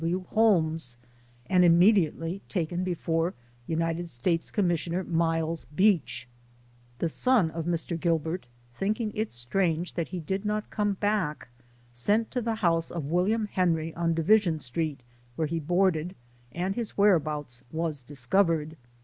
W. Holmes, and immediately ta ken before United States Commissioner Miles Beach. The son of Mr. Gilbert, thinking it strange that he did not come back, sent to the house of William Henry, on Division Street, where he board ed, and his whereabouts was discovered.